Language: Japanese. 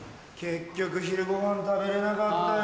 結局昼ご飯食べれなかったよ。